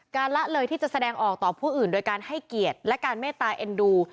ละเลยที่จะแสดงออกต่อผู้อื่นโดยการให้เกียรติและการเมตตาเอ็นดู